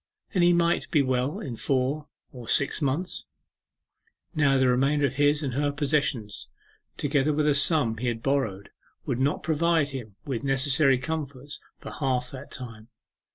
'Then he might be well in four or six months.' Now the remainder of his and her possessions, together with a sum he had borrowed, would not provide him with necessary comforts for half that time.